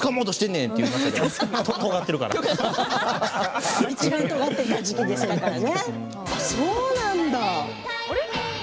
んといちばんとがってた時期ですからね。